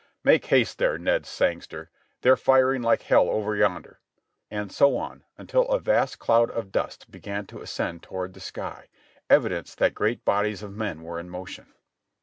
"Make haste there, Ned Sangster, they're firing like hell over yonder!" and so on, until a vast cloud of dust began to ascend toward the sky, evidence that great bodies of men were in motion.